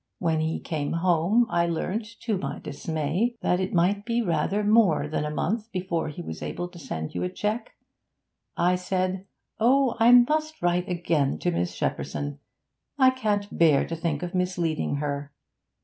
When he came home, I learnt, to my dismay, that it might be rather more than a month before he was able to send you a cheque. I said: "Oh, I must write again to Miss Shepperson. I can't bear to think of misleading her."